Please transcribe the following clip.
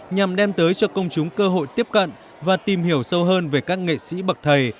nhằm đem tới cho công chúng cơ hội tiếp cận và tìm hiểu sâu hơn về các nghệ sĩ bậc thầy